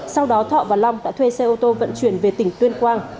sau đó thọ và long đã thuê xe ô tô vận chuyển về tỉnh tuyên quang